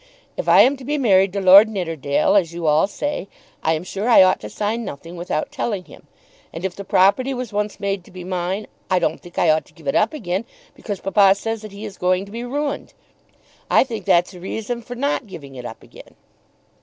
"If I am to be married to Lord Nidderdale as you all say, I am sure I ought to sign nothing without telling him. And if the property was once made to be mine, I don't think I ought to give it up again because papa says that he is going to be ruined. I think that's a reason for not giving it up again."